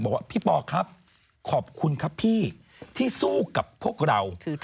บอกว่าพี่ปอครับขอบคุณครับพี่ที่สู้กับพวกเรา